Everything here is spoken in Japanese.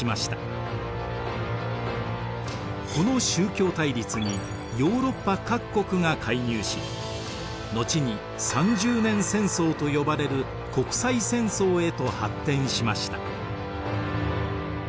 この宗教対立にヨーロッパ各国が介入し後に三十年戦争と呼ばれる国際戦争へと発展しました。